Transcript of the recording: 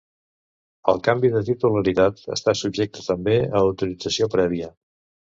El canvi de titularitat està subjecte, també, a autorització prèvia.